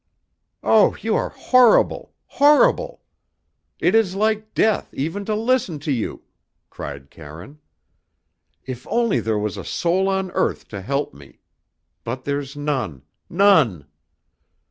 "Oh, you are horrible horrible! It is like death even to listen to you!" cried Karine. "If only there was a soul on earth to help me but there's none none!"